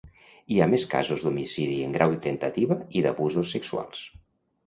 Hi ha més casos d'homicidi en grau de temptativa i d'abusos sexuals.